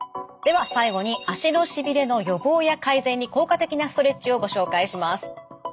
では最後に足のしびれの予防や改善に効果的なストレッチをご紹介します。